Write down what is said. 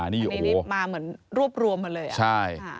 อันนี้มาเหมือนรวบรวมมาเลย